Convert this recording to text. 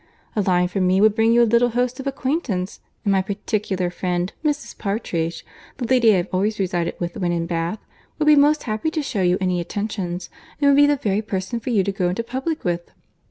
A line from me would bring you a little host of acquaintance; and my particular friend, Mrs. Partridge, the lady I have always resided with when in Bath, would be most happy to shew you any attentions, and would be the very person for you to go into public with."